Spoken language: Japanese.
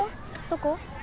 どこ？